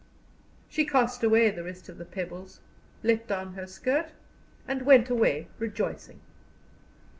She cast away the rest of the pebbles, let down her skirt, and went away rejoicing.